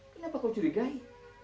kenapa kau curigai